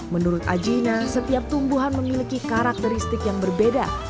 menurut ajina setiap tumbuhan memiliki karakteristik yang berbeda